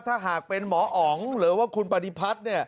ถ้าหากเป็นหมออ๋องหรือว่าคุณปฏิพัฒน์